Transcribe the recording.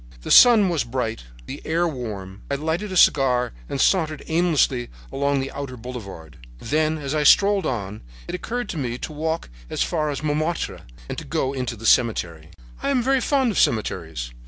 "The sun was bright, the air warm. I lighted a cigar and sauntered aimlessly along the outer boulevard. Then, as I strolled on, it occurred to me to walk as far as Montmartre and go into the cemetery. "I am very fond of cemeteries.